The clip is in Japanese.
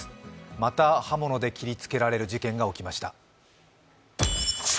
また刃物で切りつけられる事件が起きました。